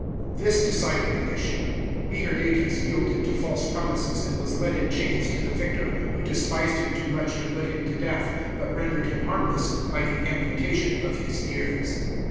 This decided the issue. Meherdates yielded to false promises, and was led in chains to the victor, who despised him too much to put him to death, but rendered him harmless by the amputation of his ears.